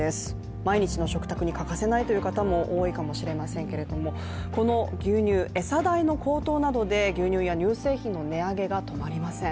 毎日の食卓に欠かせないという方も多いかもしれませんけれども、この牛乳、餌代の高騰などで牛乳や乳製品の値上げが止まりません。